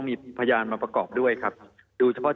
มีความรู้สึกว่ามีความรู้สึกว่า